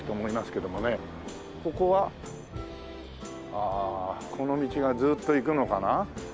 ああこの道がずっといくのかな？